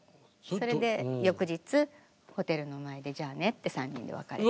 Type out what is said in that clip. それで翌日ホテルの前でじゃあねって３人で別れて。